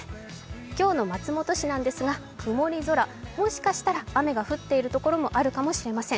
今日の松本市なんですが曇り空、もしかしたら雨が降っているところもあるかもしれません。